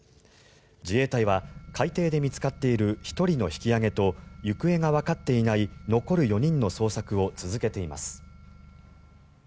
自衛隊は海底で見つかっている１人の引き揚げと行方がわかっていない残る４人の捜索を続けています。